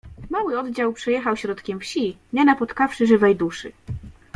Mały oddział przejechał środkiem wsi, nie napotkawszy żywej duszy.